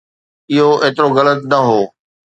اهو ايترو غلط نه هو.